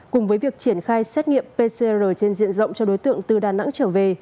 cùng với việc triển khai xét nghiệm pcr trên diện rộng cho đối tượng từ đà nẵng trở về